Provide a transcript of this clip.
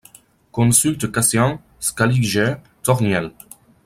Consulte Cassien, Scaliger, Torniel ;